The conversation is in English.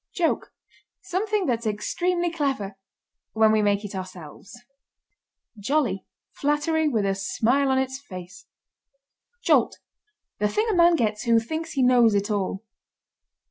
JOKE. Something that's extremely clever when we make it ourselves. JOLLY. Flattery with a smile on its face. JOLT. The thing a man gets who thinks he knows it all.